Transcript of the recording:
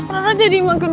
rara jadi makin gak ngerti